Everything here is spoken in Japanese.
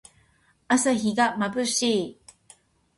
朝日がまぶしい。